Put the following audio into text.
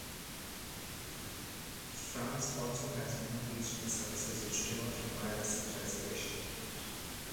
France also has many regional services which do not require a seat reservation.